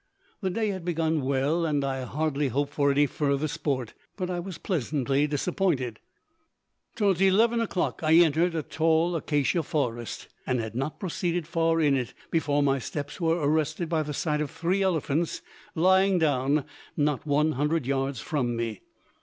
The day had begun well and I hardly hoped for any further sport, but I was pleasantly disappointed. Toward 11 o'clock I entered a tall acacia forest, and had not proceeded far in it before my steps were arrested by the sight of three elephants, lying down not 100 yards from me.